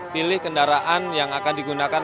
pilih kendaraan yang akan digunakan